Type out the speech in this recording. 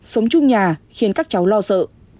sống chung nhà khiến các cháu lo sợ